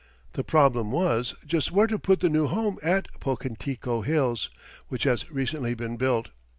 The problem was, just where to put the new home at Pocantico Hills, which has recently been built.